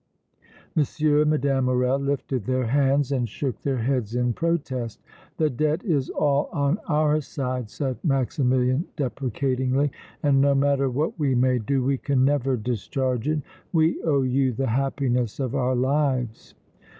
M. and Mme. Morrel lifted their hands and shook their heads in protest. "The debt is all on our side," said Maximilian, deprecatingly, "and no matter what we may do we can never discharge it. We owe you the happiness of our lives!"